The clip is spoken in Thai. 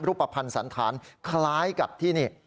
รูปภัณฑ์สันธารคล้ายกับที่นี่